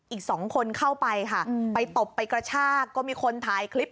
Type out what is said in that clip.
อีกสองคนเข้าไปค่ะไปตบไปกระชากก็มีคนถ่ายคลิป